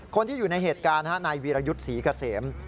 คนที่อยู่ในเหตุการณ์นายวีรยุทธ์ศรีเกษม